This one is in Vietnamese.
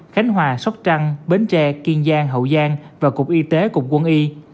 khánh hòa sóc trăng bến tre kiên giang hậu giang và cục y tế cục quân y